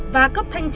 và cấp thanh tra